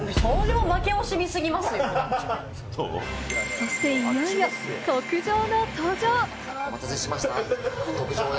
そしていよいよ特上の登場。